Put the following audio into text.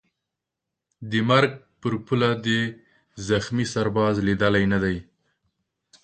د مرګ پر پوله دي زخمي سرباز لیدلی نه دی